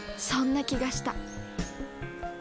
そんな気がした。